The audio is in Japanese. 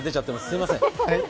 すいません。